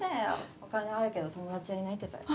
お金はあるけど友達いないってタイプ？